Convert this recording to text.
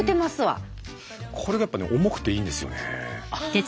これがやっぱね重くていいんですよね。